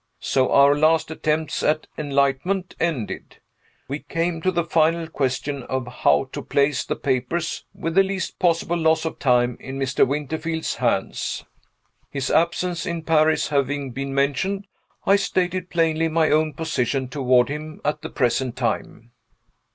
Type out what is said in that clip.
So our last attempts at enlightenment ended. We came to the final question of how to place the papers, with the least possible loss of time, in Mr. Winterfield's hands. His absence in Paris having been mentioned, I stated plainly my own position toward him at the present time.